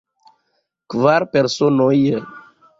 Kvar personoj.